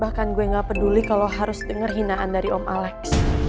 bahkan gue gak peduli kalau harus dengar hinaan dari om alex